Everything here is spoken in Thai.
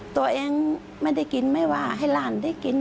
ตัวเองไม่ได้กินไม่ว่าให้หลานได้กิน